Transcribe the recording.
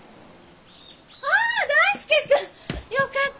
ああ大介君！よかった。